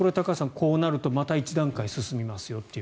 こうなるとまた一段階進みますよと。